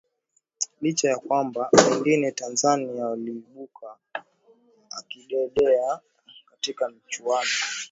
licha ya kwamba pengine tanzania waliibuka akidedea katika michuano